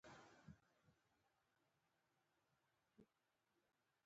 دا ژورنال تاریخي او انتقادي اړخونه څیړي.